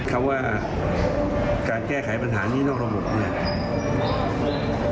คำว่าการแก้ไขปัญหานี่นอกระบบเนี่ย